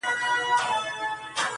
دغه کار ته فکر وړی دی حیران دی,